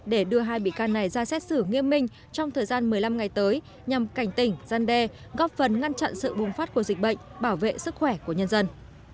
để đưa hai bị can này ra xét xử nghiêm minh trong thời gian một mươi năm ngày tới nhằm cảnh tỉnh gian đe góp phần ngăn chặn sự bùng phát của dịch bệnh bảo vệ sức khỏe của nhân dân